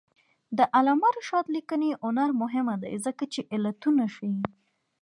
د علامه رشاد لیکنی هنر مهم دی ځکه چې علتونه ښيي.